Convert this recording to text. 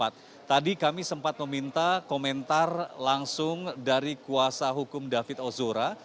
tadi kami sempat meminta komentar langsung dari kuasa hukum david ozora